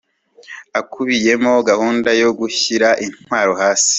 akubiyemo gahunda yo gushyira intwaro hasi